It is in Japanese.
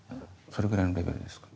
それぐらいのレベルですか？